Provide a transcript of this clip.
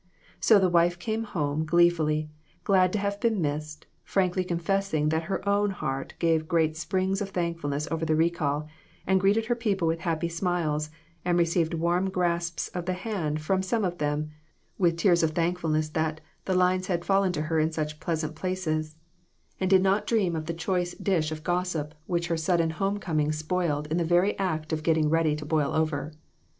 So the wife came home gleefully, glad to have been missed, frankly confessing that her own heart gave great springs of thankfulness over the recall, and greeted her people with happy smiles, and received warm grasps of the hand from some of them, with tears of thankfulness that "the lines had fallen to her in such pleasant places," and did not dream of CROSS LOTS. IQ/ the choice dish of gossip which her sudden home coming spoiled in the very act of getting ready to boil over.